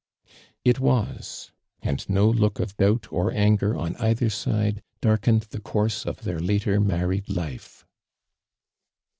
It was, and no look of doubt or angor on cither side, darkened the course of tlieir Inter married life.